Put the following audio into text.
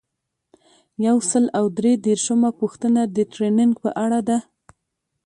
یو سل او درې دیرشمه پوښتنه د ټریننګ په اړه ده.